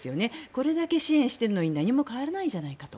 これだけ支援しているのに何も変わらないじゃないかと。